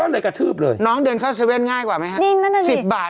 หน้างเข้า๗๑๑ง่ายกว่าไหมครับ๑๐บาท